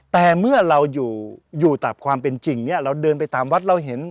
แต่เมื่อเราอยู่อยู่ตามความเป็นจริงเนี่ยเราเดินไปตามวัดเราเห็น